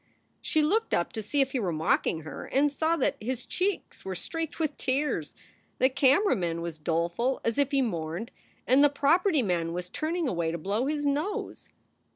She looked up to see if he were mocking her, and saw that his cheeks were streaked with tears. The camera man was doleful as if he mourned, and the property man was turning away to blow his nose.